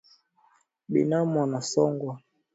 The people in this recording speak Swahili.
Binamu anasongwa